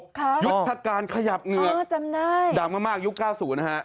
ครับอ๋อจำได้ยุทธการขยับเหงือดังมากยุค๙๐นะฮะ